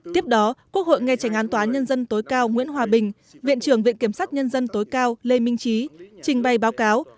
tiếp đó quốc hội nghe trành án tòa án nhân dân tối cao nguyễn hòa bình viện trưởng viện kiểm sát nhân dân tối cao lê minh trí trình bày báo cáo